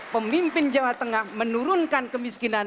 pemimpin jawa tengah menurunkan kemiskinan